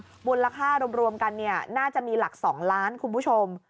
ไปบนราคารวมรวมกันน่าจะมีหลักสองล้านคุณผู้ชม